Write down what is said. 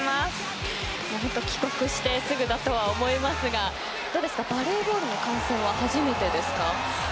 帰国してすぐだとは思いますがバレーボールの観戦は初めてですか？